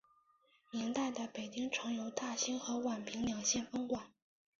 明代的北京城由大兴和宛平两县分管。